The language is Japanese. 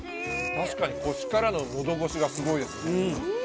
確かにこしからののど越しがすごいですね。